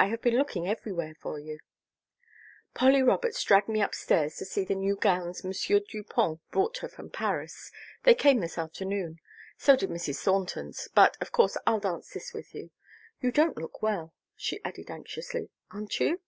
I have been looking everywhere for you " "Polly Roberts dragged me upstairs to see the new gowns M. Dupont brought her from Paris. They came this afternoon so did Mrs. Thornton's but of course I'll dance this with you. You don't look well," she added anxiously. "Aren't you?"